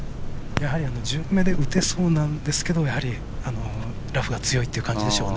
やはり順目で打てそうなんですがラフが強いという感じなんでしょうか。